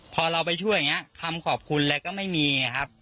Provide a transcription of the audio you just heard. พอเราไปช่วยเนี่ยคำขอบคุณเลยก็ไม่มีนะครับ